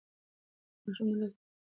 د ماشوم د لاس ټپ پاک وساتئ.